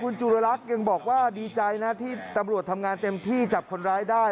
แล้วก็ดีใจนะที่ตำรวจทำงานเต็มที่จับคนร้ายได้